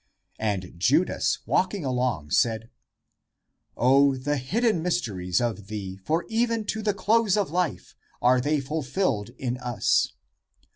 And Judas walk ing along, said, " O the hidden mysteries of thee, for even to the close of life are they fulfilled in us!